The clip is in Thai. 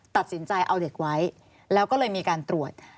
ตัดสินใจเอาเด็กไว้แล้วก็เลยมีการตรวจ